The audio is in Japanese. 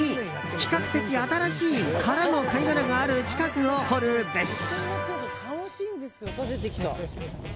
比較的新しい空の貝殻がある近くを掘るべし。